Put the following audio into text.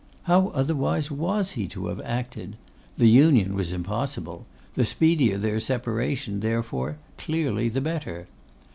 How otherwise was he to have acted? The union was impossible; the speedier their separation, therefore, clearly the better.